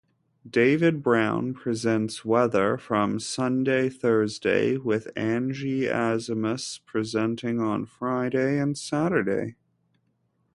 David Brown presents weather from Sunday-Thursday with Angie Asimus presenting on Friday and Saturday.